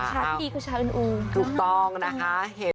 ชาติดีก็ชาอื่นอูถูกต้องนะคะ